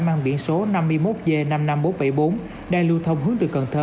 mang biển số năm mươi một g năm mươi năm nghìn bốn trăm bảy mươi bốn đang lưu thông hướng từ cần thơ